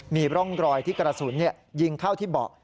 มีร่องรอยที่กระสุนยิงเข้าที่เบาะ